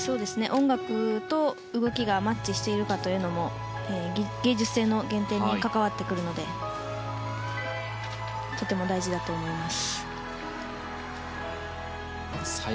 音楽と動きがマッチしているかも芸術性の減点に関わってくるのでとても大事だと思います。